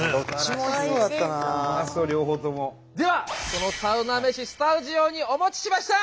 そのサウナ飯スタジオにお持ちしました！